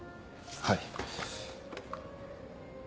はい。